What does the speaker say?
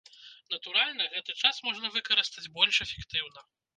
Натуральна, гэты час можна выкарыстаць больш эфектыўна.